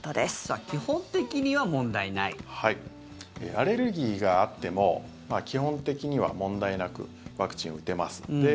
アレルギーがあっても基本的には問題なくワクチン打てます。